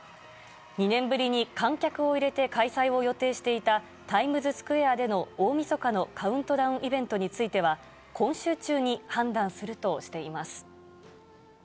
２年ぶりに観客を入れて開催を予定していた、タイムズスクエアでの大みそかのカウントダウンイベントについては、今週中に判断するとしています。